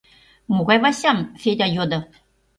— Могай Васям? — Федя йодо.